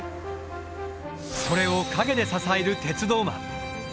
それを陰で支える鉄道マン。